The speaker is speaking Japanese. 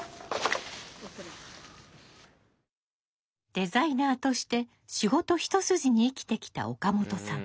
デザイナーとして仕事一筋に生きてきた岡本さん。